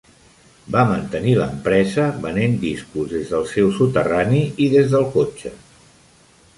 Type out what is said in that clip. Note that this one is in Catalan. Va mantenir l'empresa venent discos des del seu soterrani i des del cotxe.